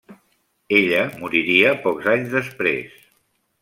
Ella moriria pocs anys després.